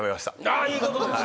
ああいいことです！